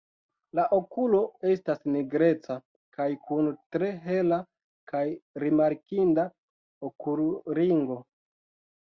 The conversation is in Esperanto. La okulo estas nigreca kaj kun tre hela kaj rimarkinda okulringo.